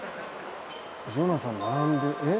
ジョナサン並んでえっ？